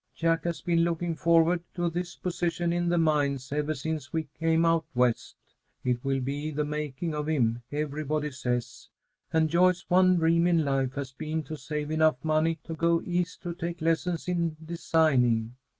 Jack has been looking forward to this position in the mines ever since we came out West. It will be the making of him, everybody says. And Joyce's one dream in life has been to save enough money to go East to take lessons in designing.